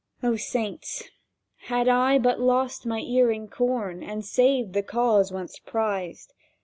O Saints, had I but lost my earing corn And saved the cause once prized!